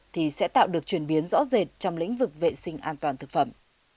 thì sẽ tạo được chuyển biến rõ rệt trong lĩnh vực vệ sinh an toàn thực phẩm